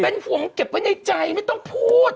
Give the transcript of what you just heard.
เป็นห่วงเก็บไว้ในใจไม่ต้องพูด